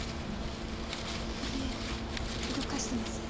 いいえ動かしてません。